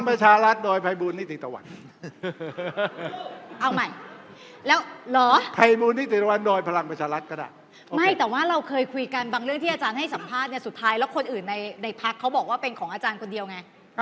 ไม่แต่ว่าเราเคยคุยกันบางเรื่องที่อาจารย์ให้สัมภาษณ์เนี่ยสุดท้ายแล้วคนอื่นในพักเขาบอกว่าเป็นของอาจารย์คนเดียวไง